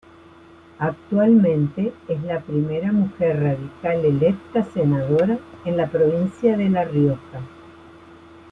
Actualmente es la primera mujer radical electa senadora en la provincia de La Rioja.